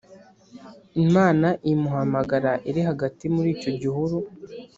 Imana imuhamagara iri hagati muri icyo gihuru